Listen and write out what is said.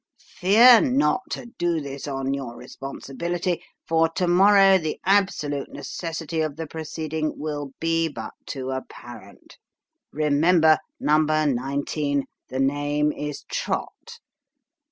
c Fear not to do this on your responsibility : for to morrow the absolute necessity of the proceeding will be but too apparent. Remember: number nineteen. The name is Trott.